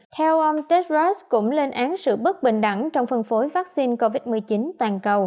theo ông tedrost cũng lên án sự bất bình đẳng trong phân phối vaccine covid một mươi chín toàn cầu